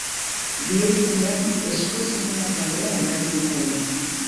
Bihurgunean Espoz Mina kalea elkartzen zaio.